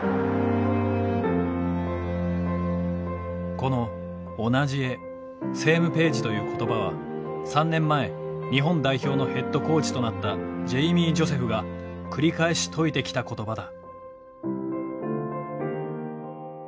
この「同じ絵セームページ」という言葉は３年前日本代表のヘッドコーチとなったジェイミー・ジョセフが繰り返し説いてきた言葉だ。